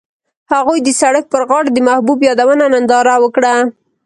هغوی د سړک پر غاړه د محبوب یادونه ننداره وکړه.